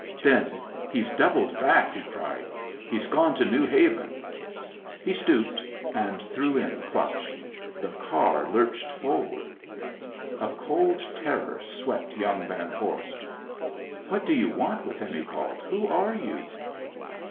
"Then, he's doubled back," he cried. "He's gone to New Haven." He stooped and threw in the clutch. The car lurched forward. A cold terror swept young Van Vorst. "What do you want with him?" he called. "Who are you?"